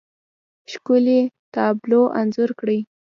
ښکلې، تابلو انځور کړي